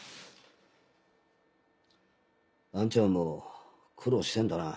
あんちゃんも苦労してんだな。